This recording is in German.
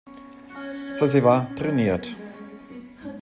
Saizewa, trainiert.